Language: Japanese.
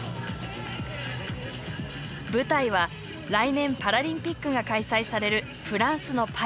舞台は、来年パラリンピックが開催されるフランスのパリ。